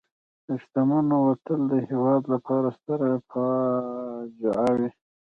د شتمنو وتل د هېواد لپاره ستره فاجعه وي.